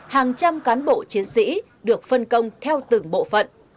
hàng trăm cán bộ chiến sĩ được phân công theo từng bộ phận